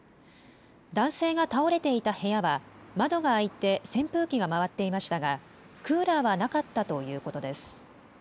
男性が倒れていた部屋は窓が開いて扇風機が回っていましたがクーラーはなかったということです。